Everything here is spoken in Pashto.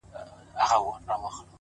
په رڼا كي يې پر زړه ځانمرگى وسي،